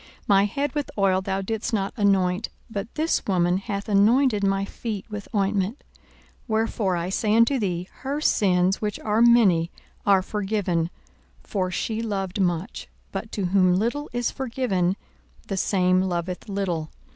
42:007:046 My head with oil thou didst not anoint: but this woman hath anointed my feet with ointment. 42:007:047 Wherefore I say unto thee, Her sins, which are many, are forgiven; for she loved much: but to whom little is forgiven, the same loveth little.